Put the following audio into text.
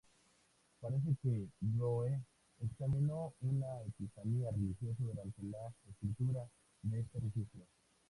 Parece que Roe examinó una Epifanía religiosa durante la escritura de este registro.